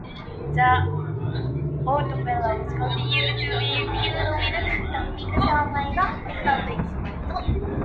The Oddfellows continued to be viewed with suspicion by "the establishment".